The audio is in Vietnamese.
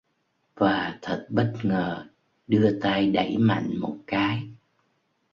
Và thật bất ngờ đưa tay đẩy mạnh một cái